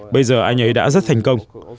bây giờ anh ấy đã rất thành công